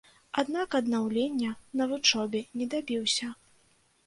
Аднак аднаўлення на вучобе не дабіўся.